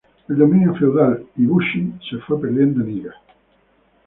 El dominio feudal y Bushi se fue perdiendo en Iga.